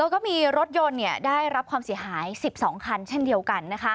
ก็มีรถยนต์ได้รับความเสียหาย๑๒คันเช่นเดียวกัน